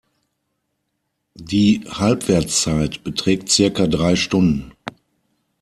Die Halbwertszeit beträgt circa drei Stunden.